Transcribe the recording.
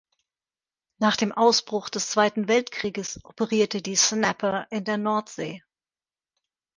Nach dem Ausbruch des Zweiten Weltkrieges operierte die "Snapper" in der Nordsee.